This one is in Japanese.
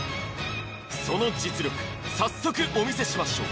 その実力早速お見せしましょう